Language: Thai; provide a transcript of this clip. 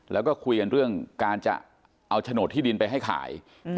แล้วก็คุยกันเรื่องการจะเอาโฉนดที่ดินไปให้ขาย